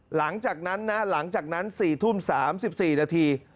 หลังจากนั้นนะหลังจากนั้น๔ทุ่ม๓๔นาที